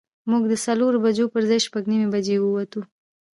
موږ د څلورو بجو پر ځای شپږ نیمې بجې ووتو.